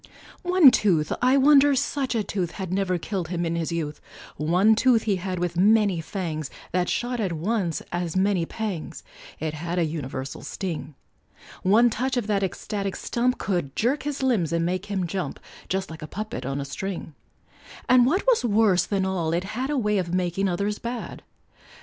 One tooth I wonder such a tooth Had never killed him in his youth One tooth he had with many fangs, That shot at once as many pangs, It had a universal sting; One touch of that ecstatic stump Could jerk his limbs and make him jump, Just like a puppet on a string; And what was worse than all, it had A way of making others bad.